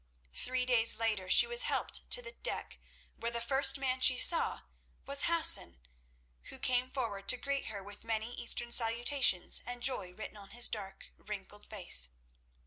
Three days later she was helped to the deck, where the first man she saw was Hassan, who came forward to greet her with many Eastern salutations and joy written on his dark, wrinkled face.